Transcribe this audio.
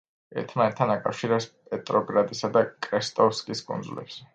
ერთმანეთთან აკავშირებს პეტროგრადისა და კრესტოვსკის კუნძულებს.